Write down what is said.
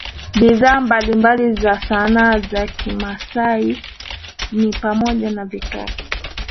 Bidhaa mbalimbali za sanaa za kimaasai ni pamoja na Vikapu